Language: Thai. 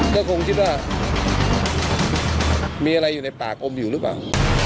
ก็คงคิดว่ามีอะไรอยู่ในปากอมอยู่หรือเปล่า